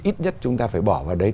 ít nhất chúng ta phải bỏ vào đấy